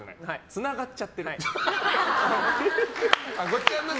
つながっちゃってる。